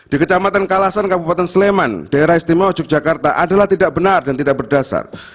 di kecamatan kalasan kabupaten sleman daerah istimewa yogyakarta adalah tidak benar dan tidak berdasar